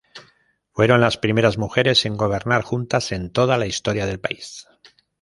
Fueron las primeras mujeres en gobernar juntas en toda la historia del país.